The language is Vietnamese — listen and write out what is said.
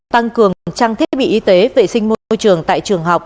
tăng cường trang thiết bị y tế vệ sinh môi trường tại trường học